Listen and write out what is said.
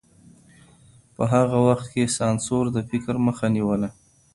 په هغه وخت کي سانسور د فکر مخه نيوله.